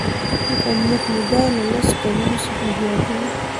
د خدمت موده له لس کلونو څخه زیاته وي.